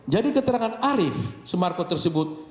jadi keterangan arief semarko tersebut